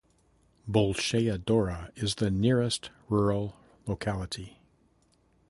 Bolshaya Dora is the nearest rural locality.